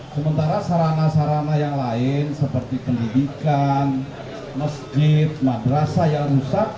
sementara sarana sarana yang lain seperti pendidikan masjid madrasah yang rusak